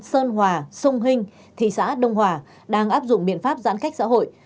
sơn hòa sông hinh thị xã đông hòa đang áp dụng biện pháp giãn cách xã hội